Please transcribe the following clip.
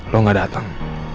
lo gak dateng